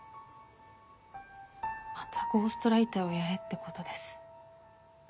またゴーストライターをやれって事です。